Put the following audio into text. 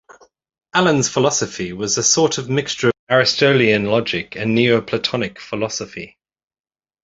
Alan's philosophy was a sort of mixture of Aristotelian logic and Neoplatonic philosophy.